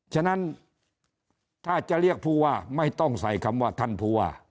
ฉะนั้นถ้าจะเรียกผู้ว่าไม่ต้องใส่คำว่าท่านผู้ว่า